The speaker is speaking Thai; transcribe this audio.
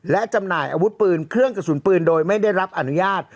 และจำหน่ายอาวุธปืนเครื่องกระสุนปืนโดยไม่ได้รับอนุญาต